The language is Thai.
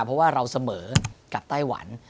เพราะว่าเราเสมอกับไต้หวัน